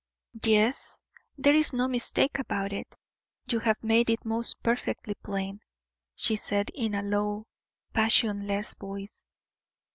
"Yes, there is no mistake about it you have made it most perfectly plain," she said, in a low, passionless voice.